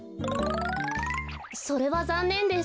それはざんねんです。